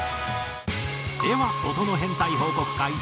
では音の変態報告会。